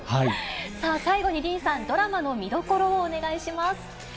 最後にディーンさん、ドラマの見どころをお願いします。